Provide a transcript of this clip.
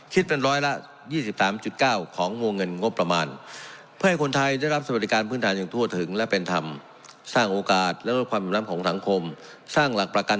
คิดเป็นร้อยละ๒๓๙ของมวงเงินงบประมาณ